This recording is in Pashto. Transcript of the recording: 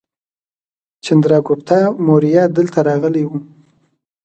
چندراګوپتا موریه دلته راغلی و